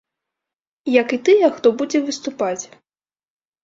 Як і тыя, хто будзе выступаць.